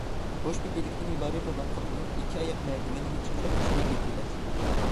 Boş bir delikten ibaret olan kapının iki ayak merdivenini çıkarak içeri girdiler.